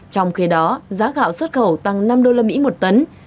trong khi đó giá gạo xuất khẩu tăng năm usd một tấn